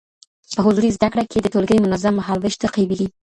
په حضوري زده کړه کي د ټولګي منظم مهالویش تعقیبېږي.